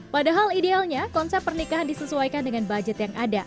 padahal idealnya konsep pernikahan disesuaikan dengan budget yang ada